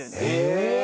へえ！